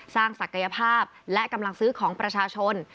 ศักยภาพและกำลังซื้อของประชาชน